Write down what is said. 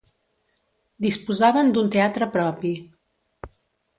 Disposaven d'un teatre propi.